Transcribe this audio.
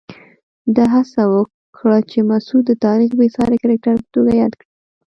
ده هڅه وکړه چې مسعود د تاریخ بېساري کرکټر په توګه یاد کړي.